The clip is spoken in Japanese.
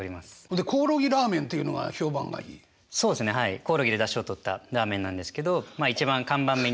コオロギでだしをとったラーメンなんですけど一番看板メニュー的な。